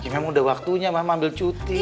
ya memang udah waktunya mama ambil cuti